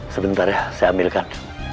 sebentar ya saya ambilkan